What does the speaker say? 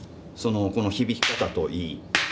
この響き方といい。